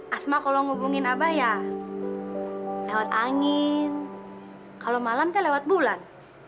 asma kalau hubungin abah ya lewat angin kalau malam kan lewat bulan